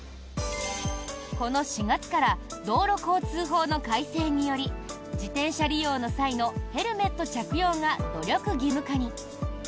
この４月から道路交通法の改正により自転車利用の際のヘルメット着用が努力義務化に。